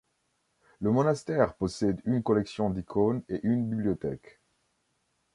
Le monastère possède une collection d'icônes et une bibliothèque.